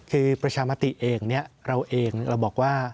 คือประชามติเองเราบอกว่า